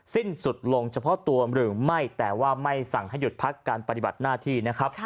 สิ้นสุดลงเฉพาะตัวหรือไม่แต่ว่าไม่สั่งให้หยุดพักการปฏิบัติหน้าที่นะครับ